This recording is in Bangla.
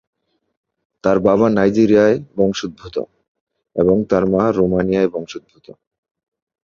তার বাবা নাইজেরীয় বংশোদ্ভূত এবং তার মা রোমানীয় বংশোদ্ভূত।